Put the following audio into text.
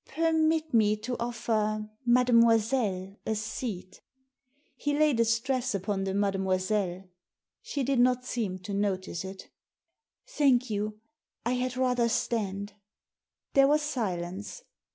" Permit me to offer mademoiselle a seat" He laid a stress upon the mademoiselle. She did not seem to notice it " Thank you. I had rather stand." There was silence.